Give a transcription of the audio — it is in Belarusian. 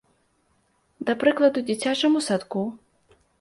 Да прыкладу, дзіцячаму садку.